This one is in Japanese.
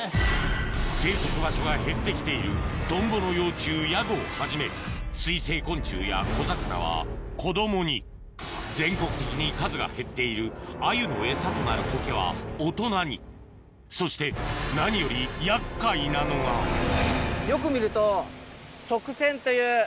生息場所が減って来ているトンボの幼虫ヤゴをはじめ水生昆虫や小魚は子供に全国的に数が減っているアユのエサとなるコケは大人にそして何よりそれで俊敏に動けるんだ。